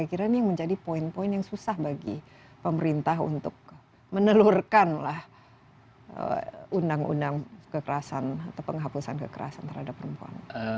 apa kira kira ini menjadi poin poin yang susah bagi pemerintah untuk menelurkanlah undang undang kekerasan atau penghapusan kekerasan terhadap perempuan